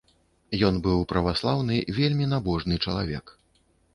Ён быў праваслаўны, вельмі набожны чалавек.